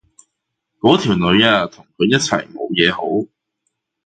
嗰條女啊，同佢一齊冇嘢好